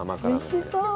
おいしそう！